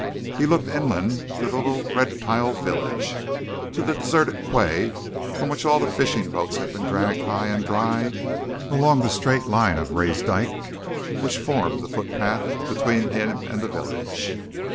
He looked inland to the little red tiled village, to the deserted quay, from which all the fishing boats had been dragged high and dry along the straight line of raised dyke which formed the footpath between him and the village.